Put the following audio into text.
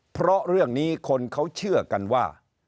เพราะเรื่องนี้คนเขาเชื่อกันว่า